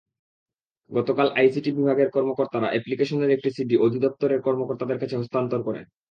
গতকাল আইসিটি বিভাগের কর্মকর্তারা অ্যাপ্লিকেশনের একটি সিডি অধিদপ্তরের কর্মকর্তাদের কাছে হস্তান্তর করেন।